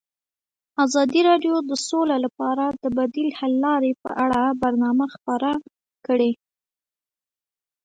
ازادي راډیو د سوله لپاره د بدیل حل لارې په اړه برنامه خپاره کړې.